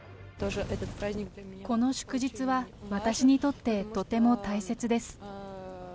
この祝日は、私にとってとても大切です。